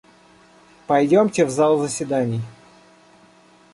Пойдемте в зал заседаний.